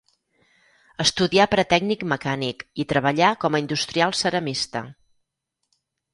Estudià per a tècnic mecànic i treballà com a industrial ceramista.